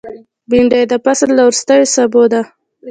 بېنډۍ د فصل له وروستیو سابو ده